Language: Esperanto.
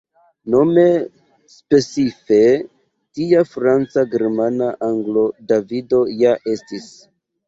Nome specife tia Franca Germana Anglo Davido ja estis.